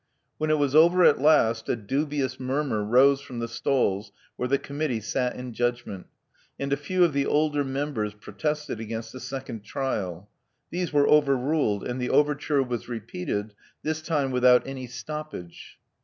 * When it was over at last, a dubious murmur rose from the stalls where the Committee sat in judgment; and a few of the older members protested against; a second trial. These were over ruled ; and the overture was repeated, this time without any stoppage.